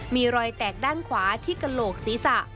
มีรอยแตกด้านขวาที่กระโหลกศีรษะ